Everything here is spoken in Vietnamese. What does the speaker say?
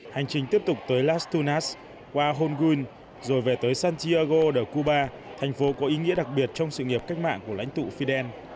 hành trình tiếp tục tới lastunas qua hong rồi về tới santiago de cuba thành phố có ý nghĩa đặc biệt trong sự nghiệp cách mạng của lãnh tụ fidel